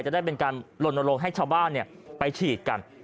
จะได้เป็นการลนลงให้ชาวบ้านไปฉีดกัน